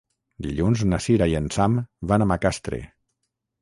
Dilluns na Sira i en Sam van a Macastre.